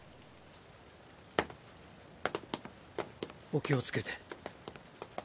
お気をつけて。